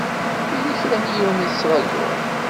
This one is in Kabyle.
Yella kra n yiwen i tettṛajuḍ?